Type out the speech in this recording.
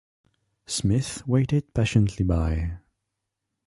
Smith waited patiently by.